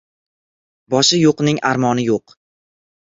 • Boshi yo‘qning armoni yo‘q.